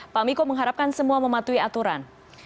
pak miko mengharapkan semua mematuhi aturan